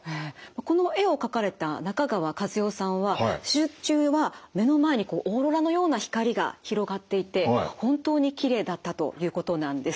この絵を描かれた中川万代さんは手術中は目の前にこうオーロラのような光が広がっていて本当にきれいだったということなんです。